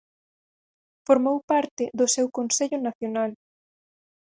Formou parte do seu Consello Nacional.